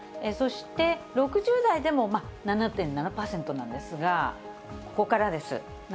そして６０代でも７．７％なんですが、ここからです。